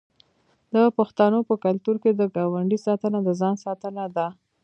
د پښتنو په کلتور کې د ګاونډي ساتنه د ځان ساتنه ده.